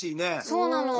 そうなの。